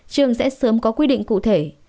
trường sẽ sớm có quy định cụ thể